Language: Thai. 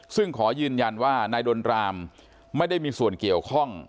ซึ่งขอยืนยันว่านายดนรามไม่ได้มีส่วนเกี่ยวข้อง